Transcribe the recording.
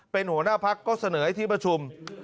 เป็นหัวหน้าพักก็เสนอให้ที่ประชุม